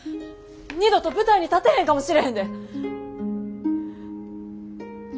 二度と舞台に立てへんかもしれへんで。